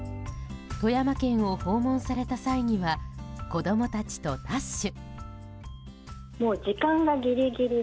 富山県を訪問された際には子供たちとダッシュ。